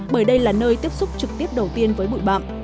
bởi đây là nơi tiếp xúc trực tiếp đầu tiên với bụi bạm